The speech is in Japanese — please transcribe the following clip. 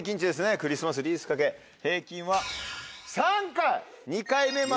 クリスマスリース掛け平均は。